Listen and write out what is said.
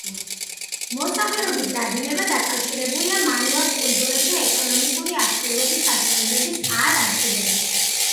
მოსახლეობის გადინება დაკავშირებულია მანუას კუნძულებზე ეკონომიკური აქტიურობის საშუალებების არ არსებობასთან.